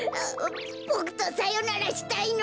ボクとさよならしたいの？